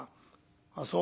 「あっそう。